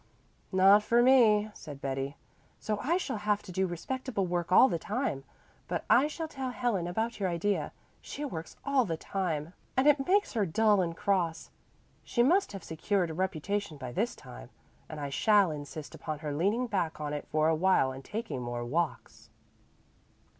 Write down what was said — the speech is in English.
"Not for me," said Betty, "so I shall have to do respectable work all the time. But I shall tell Helen about your idea. She works all the time, and it makes her dull and cross. She must have secured a reputation by this time; and I shall insist upon her leaning back on it for a while and taking more walks."